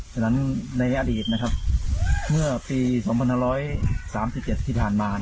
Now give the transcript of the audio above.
ดังนั้นในอดีตเมื่อปี๒๐๐๓๗ที่ผ่านมา